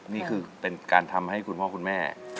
นี่คือเป็นการทำให้คุณพ่อคุณแม่